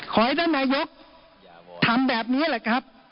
ขอให้ท่านนายกทำแบบนี้แหละครับ